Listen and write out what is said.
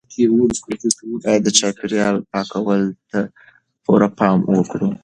باید د چاپیریال پاکوالي ته پوره پام وکړو.